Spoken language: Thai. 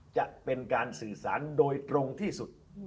จะเป็นการสื่อสารโดยตรงที่สุด